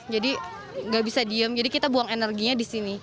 jadi gak bisa diem jadi kita buang energinya di sini